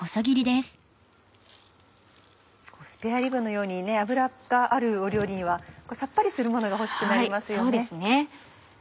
スペアリブのように脂がある料理にはさっぱりするものが欲しくなりますよね。